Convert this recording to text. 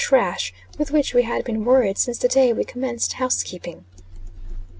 trash with which we had been worried since the day we commenced housekeeping.